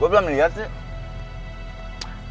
gue belum liat sih